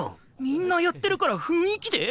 みんなやってるから雰囲気で？